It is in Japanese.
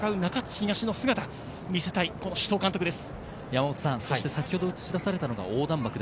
東の姿を見せたい首藤監督です。